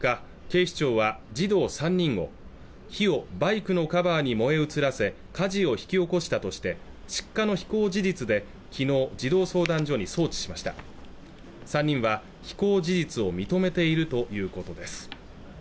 警視庁は児童３人を火をバイクのカバーに燃え移らせ火事を引き起こしたとして失火の非行事実で昨日児童相談所に送致しました３人は非行事実を認めているということです